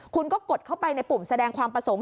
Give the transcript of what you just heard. คุณก็กดเข้าไปในปุ่มแสดงความประสงค์